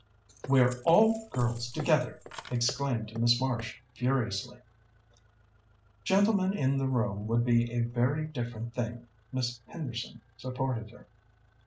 "We're all girls together," exclaimed Miss Marsh furiously. "Gentlemen in the room would be a very different thing," Miss Henderson supported her.